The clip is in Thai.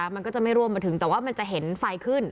มันก็จะไม่ร่วมมาถึงแต่ว่ามันจะเห็นไฟขึ้น